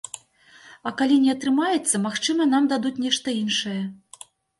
А калі не атрымаецца, магчыма нам дадуць нешта іншае.